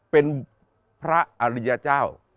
เป็นพระอริยเจ้า